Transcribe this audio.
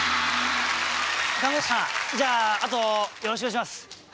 看護師さんじゃああとよろしくお願いします。